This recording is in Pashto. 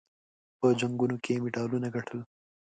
په جنګونو کې یې مډالونه ګټل.